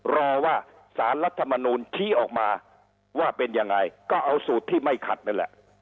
รอว่าสารรัฐมนูลชี้ออกมาว่าเป็นยังไงก็เอาสูตรที่ไม่ขัดนั่นแหละ